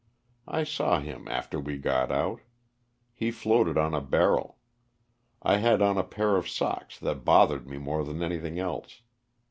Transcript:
I saw him after we got out. He floated on a barrel. I had on a pair of socks that bothered me more than anything else.